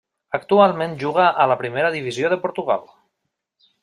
Actualment juga a la Primera Divisió de Portugal.